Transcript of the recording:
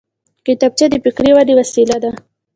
کتابچه د فکري ودې وسیله ده